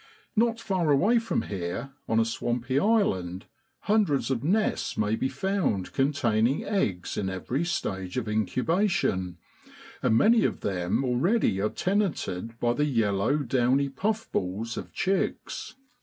Not far away from here, on a swampy island, hundreds of nests may be found containing eggs in every stage of incubation, and many of them already are tenanted by the yellow downy puff balls of chicks.